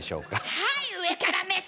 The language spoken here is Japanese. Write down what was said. はい上から目線！